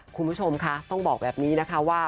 คุณผู้ชมค่ะต้องบอกแบบนี้นะคะว่า